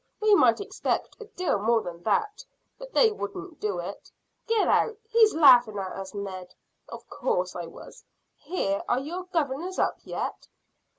We might expect a deal more than that; but they wouldn't do it." "Get out! He's laughing at us, Ned." "Of course I was. Here, are your governors up yet?"